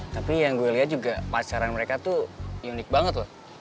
tapi yang gue lihat juga pacaran mereka tuh unik banget loh